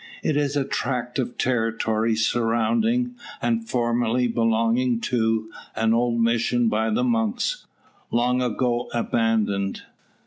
It is a tract of territory surrounding, and formerly belonging to, an old mission by the monks, long ago abandoned.